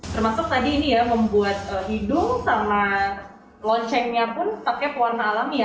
termasuk tadi ini ya membuat hidung sama loncengnya pun pakai pewarna alami ya